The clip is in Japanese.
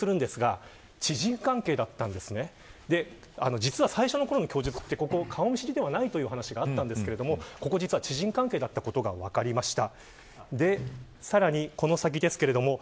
実は、最初のころの供述はここは顔見知りではないという供述でしたが実は知人関係ということが分かりました。